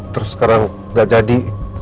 terus sekarang gak jadi